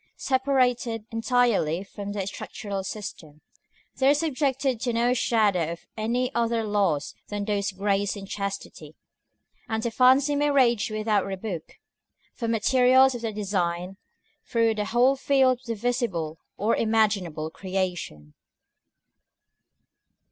Separated entirely from the structural system, they are subjected to no shadow of any other laws than those of grace and chastity; and the fancy may range without rebuke, for materials of their design, through the whole field of the visible or imaginable creation.